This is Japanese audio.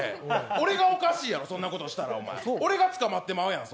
俺がおかしいやろ、そんなことしたら、俺が捕まってしまうやん。